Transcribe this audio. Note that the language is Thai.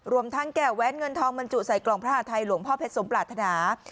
รวมทั้งแก่แว้นเงินทองบรรจุใส่กล่องพระหาทัยหลวงพ่อเพชรสมปรารถนา